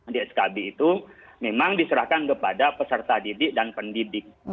di skb itu memang diserahkan kepada peserta didik dan pendidik